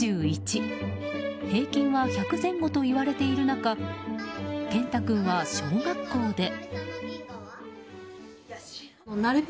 平均は１００前後といわれている中けんた君は、小学校で。